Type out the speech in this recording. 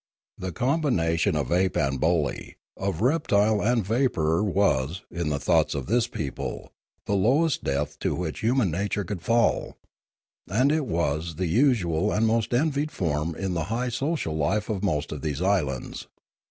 The combination of ape and bully, of reptile and vapourer was, in the thoughts of this people, the lowest depth to Choktroo 195 which human nature could fall; and it was the usual and most envied form in the high social life of most of these islands.